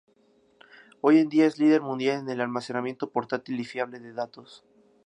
Hoy en día es líder mundial en el almacenamiento portátil y fiable de datos.